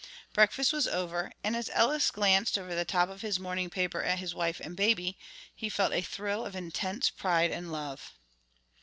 Breakfast was over, and as Ellis glanced over the top of his morning paper at his wife and baby, he felt a thrill of intense pride and love.